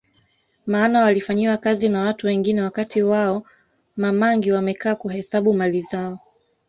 Maana walifanyiwa kazi na watu wengine wakati wao Ma mangi wamekaa kuhesabu mali zao